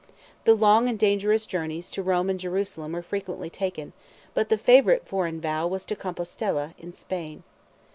The long and dangerous journeys to Rome and Jerusalem were frequently taken, but the favourite foreign vow was to Compostella, in Spain.